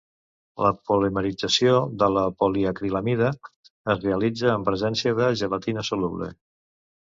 La polimerització de la poliacrilamida es realitza en presència de gelatina soluble.